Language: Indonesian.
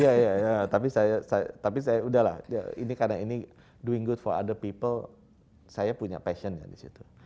iya iya iya tapi saya udah lah ini karena ini doing good for other people saya punya passionnya di situ